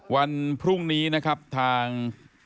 วันพรุ่งนี้ทาง